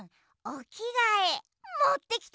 おきがえ？